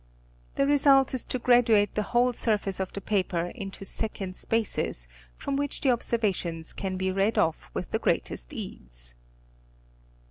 The result is to graduate the whole surface of the paper into second spaces, from which the observations can be read off with the greatest ease.